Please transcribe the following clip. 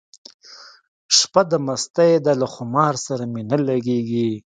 شپه د مستۍ ده له خمار سره مي نه لګیږي